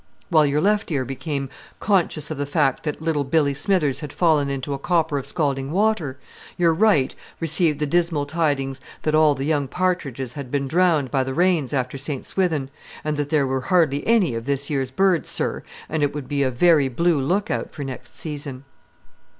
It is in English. While your left ear became conscious of the fact that little Billy Smithers had fallen into a copper of scalding water, your right received the dismal tidings that all the young partridges had been drowned by the rains after St. Swithin, and that there were hardly any of this year's birds, sir, and it would be a very blue look out for next season.